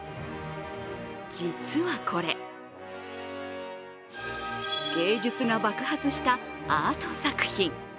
実はこれ、芸術が爆発したアート作品。